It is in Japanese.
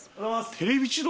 『テレビ千鳥』？